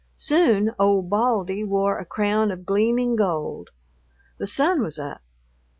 Soon Old Baldy wore a crown of gleaming gold. The sun was up.